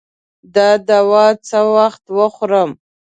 دا دوا څه وخت وخورم؟